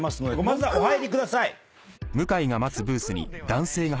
まずはお入りください。